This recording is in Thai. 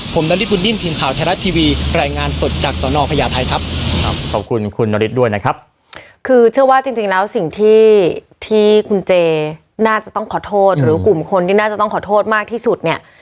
ขอบคุณคุณนฤทธิ์ด้วยนะครับคือเชื่อว่าจริงจริงแล้วสิ่งที่ที่คุณเจน่าจะต้องขอโทษหรือกลุ่มคนที่น่าจะต้องขอโทษมากที่สุดเนี้ย